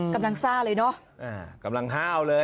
กำลังซ่าเลยเนอะอ่ากำลังฮ่าวเลย